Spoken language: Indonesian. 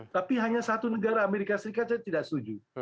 tapi hanya satu negara amerika serikat saya tidak setuju